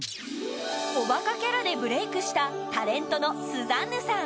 おバカキャラでブレイクしたタレントのスザンヌさん